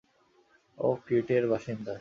ও ক্রিটের বাসিন্দা।